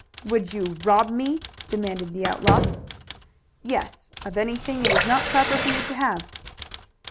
"Would you rob me?" demanded the outlaw. "Yes, of anything it is not proper for you to have."